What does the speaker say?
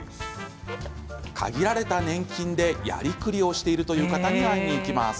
限られた年金でやりくりをしているという方に会いに行きます。